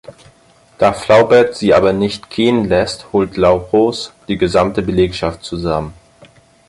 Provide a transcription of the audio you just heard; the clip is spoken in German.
Da Flaubert sie aber nicht gehen lässt, holt Larousse die gesamte Belegschaft zusammen.